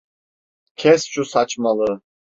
Kes şu saçmalığı!